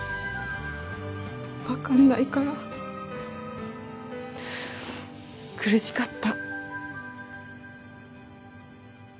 分かんないから苦しかった。